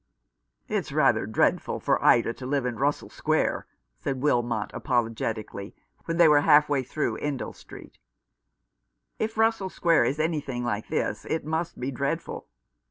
"It's rather dreadful for Ida to live in Russell Square," said Wilmot, apologetically, when they were halfway through Endell Street. " If Russell Square is anything like this it must be dreadful."